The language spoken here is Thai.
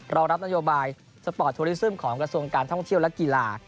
รองรับนโยบายสปอร์ตโทรลิซึมของกระทรวงการท่องเที่ยวและกีฬา